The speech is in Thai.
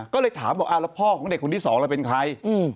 ก็เลยถามว่าพ่อของเด็กคนที่สองเป็นใคร